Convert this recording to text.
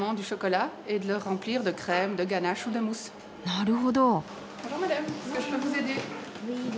なるほど。